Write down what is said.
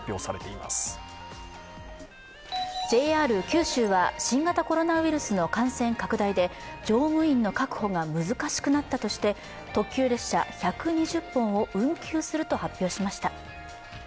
ＪＲ九州は新型コロナウイルスの感染拡大で、乗務員の確保が難しくなったとして特急列車１２０本を運休すると発表しました。